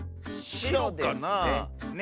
しろですね。